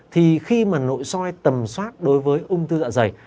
thì khi mà nội soi tầm soát đối với ung thư dạ dày